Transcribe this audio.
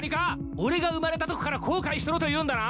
俺が生まれたとこから後悔しとるというんだな！？